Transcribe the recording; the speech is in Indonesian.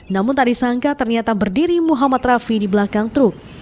namun tak disangka ternyata berdiri muhammad rafi di belakang truk